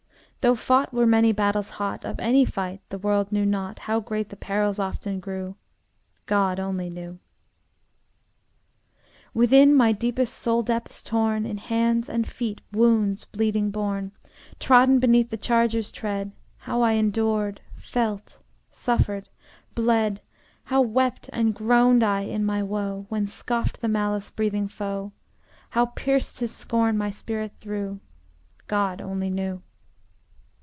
Though fought were many battles hot, Of any fight the world knew not How great the perils often grew God only knew. Within my deepest soul depths torn, In hands and feet wounds bleeding borne, Trodden beneath the chargers' tread, How I endured, felt, suffered, bled, How wept and groaned I in my woe, When scoffed the malice breathing foe, How pierced his scorn my spirit through, God only knew.